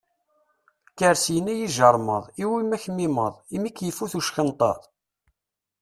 Kker syin a yijiṛmeḍ, iwumi aqmimmeḍ, imi k-ifut uckenṭeḍ?